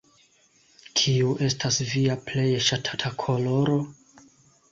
Kiu estas via plej ŝatata koloro?